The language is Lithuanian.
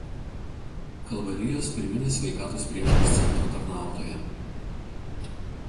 Kalvarijos pirminės sveikatos priežiūros centro tarnautoja.